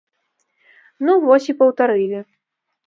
Ну вось і паўтарылі.